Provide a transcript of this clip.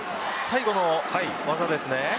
最後の技です。